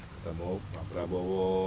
ketemu pak prabowo